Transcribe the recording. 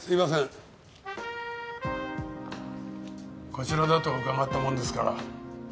こちらだと伺ったもんですから。